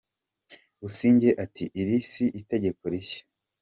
Busingye ati “iri si itegeko rishya”